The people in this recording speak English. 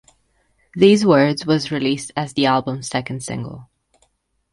"These Words" was released as the album's second single.